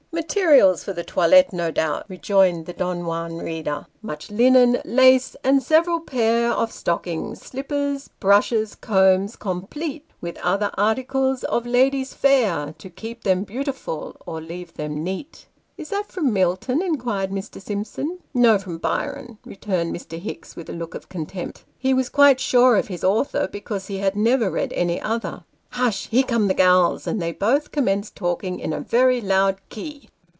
" Materials for the toilet, no doubt," rejoined the Don Juan reader. "' Much linen, lace, and several pair Of stockings, slippers, brushes, combs, complete ; With other articles of ladies' fair, To keep them beautiful, or leave them neat.' " 208 Sketches by Boz. " Is that from Milton ?" inquired Mr Simpson. " No from Byron," returned Mr. Hicks, with a look of contempt. He was quite sure of his author, because he had never read any other. " Hush ! Here come the gals," and they both commenced talking in a very loud key.